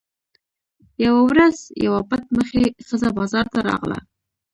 یوه ورځ یوه پټ مخې ښځه بازار ته راغله.